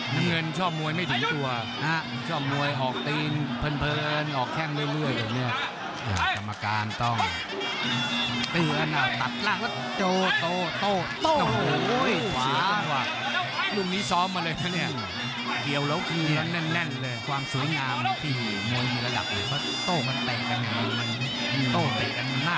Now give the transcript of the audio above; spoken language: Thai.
น้องเงินชอบมวยไม่ถึงตัวชอบมวยออกตีนเพิ่นออกแข้งเรื่อยเหล่าแนบนี้